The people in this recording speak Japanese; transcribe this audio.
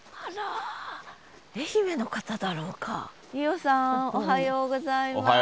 伊豫さんおはようございます。